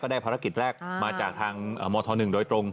ได้ภารกิจแรกมาจากทางมธ๑โดยตรง